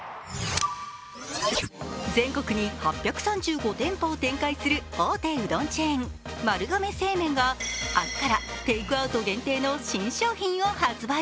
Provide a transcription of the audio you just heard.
全国に８３５店舗を展開する大手うどんチェーン丸亀製麺が、明日からテイクアウト限定の新商品を発売。